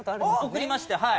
送りましてはい。